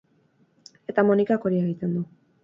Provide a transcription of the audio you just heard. Eta Monikak hori egiten du.